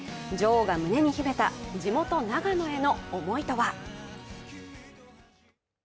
女王が胸に秘めた地元・長野への思いとは。